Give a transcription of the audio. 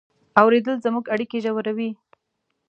اورېدل زموږ اړیکې ژوروي.